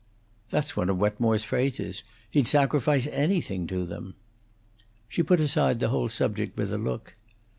"That's one of Wetmore's phrases. He'd sacrifice anything to them." She put aside the whole subject with a look.